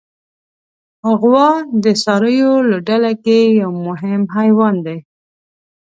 غوا د څارویو له ډله کې یو مهم حیوان دی.